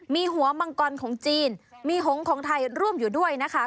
มีหัวมังกรของจีนมีหงของไทยร่วมอยู่ด้วยนะคะ